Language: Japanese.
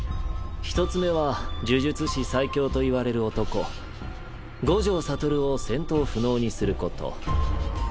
１つ目は呪術師最強と言われる男五条悟を戦闘不能にすること。